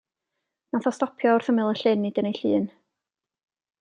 Nath o stopio wrth ymyl y llyn i dynnu llun.